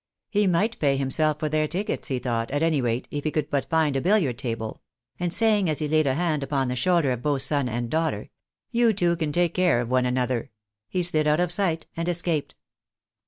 He might pay himself for their tickets, he thought, at any rate, if he could but find a billiard table ; and saying, as he laid a hand upon the shoulder of both son and daughter, " You two can take care of one another," he slid out of sight and escaped.